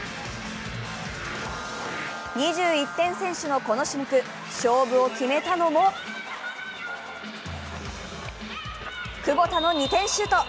２１点先取のこの種目、勝負を決めたのも窪田の２点シュート。